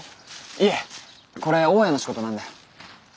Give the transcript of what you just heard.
いえこれ大家の仕事なんで。